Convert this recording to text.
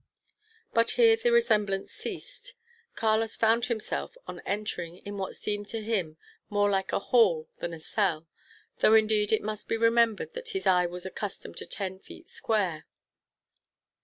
But here the resemblance ceased. Carlos found himself, on entering, in what seemed to him more like a hall than a cell; though, indeed, it must be remembered that his eye was accustomed to ten feet square.